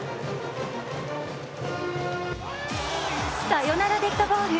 サヨナラデッドボール。